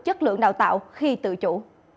chất lượng đào tạo khi tự chủ